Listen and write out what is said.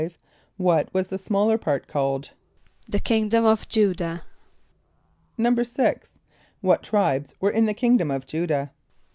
= What was the smaller part called? =The kingdom of J[=u]´dah.= =6.= What tribes were in the kingdom of J[=u]´dah?